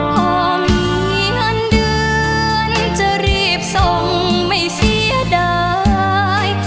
พอมีเงินเดือนจะรีบส่งไม่เสียดาย